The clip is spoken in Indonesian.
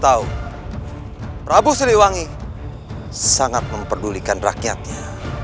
tahu prabu seliwangi sangat memperdulikan rakyatnya